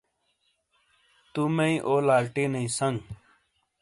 تو مئی او، لالٹینئی سنگ